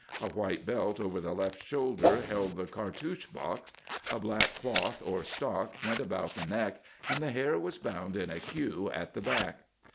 A white belt over the left shoulder held the car touch box. A black cloth or stock went about the neck, and the hair was bound in a cue at the back.